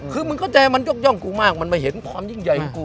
คือมึงเข้าใจมันยกย่องกูมากมันมาเห็นความยิ่งใหญ่กู